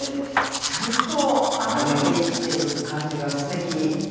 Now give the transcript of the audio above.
ちゃんと頭で生きてる感じがすてき。